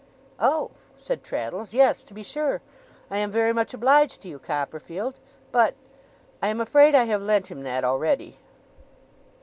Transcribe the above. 'Oh!' said Traddles. 'Yes, to be sure! I am very much obliged to you, Copperfield; but I am afraid I have lent him that already.